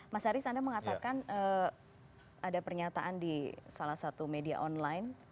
mas haris anda mengatakan ada pernyataan di salah satu media online